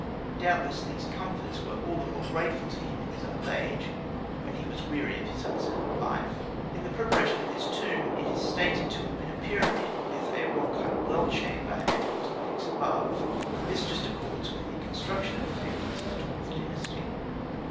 Doubtless these comforts were all the more grateful to him in his old age, when he was weary of his unsettled life. In the preparation of his tomb it is stated to have been a pyramid, with rock cut well chamber, and built of bricks above. This just accords with the construction of the pyramids of the XIIth Dynasty.